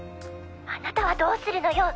あなたはどうするのよ！？